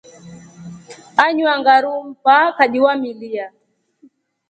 Anywa ngʼaru mpaa kajiwaamilya.